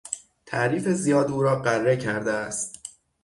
تعریف زیاد او را غره کرده است.